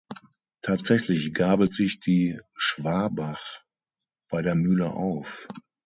Tatsächlich gabelt sich die Schwabach bei der Mühle auf.